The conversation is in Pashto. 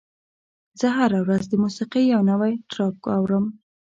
زه هره ورځ د موسیقۍ یو نوی ټراک اورم.